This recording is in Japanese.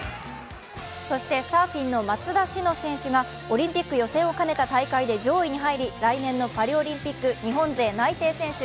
サーフィンの松田詩野選手がオリンピック予選を兼ねた大会で上位に入り来年のパリオリンピック、日本勢内定選手